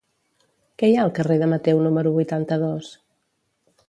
Què hi ha al carrer de Mateu número vuitanta-dos?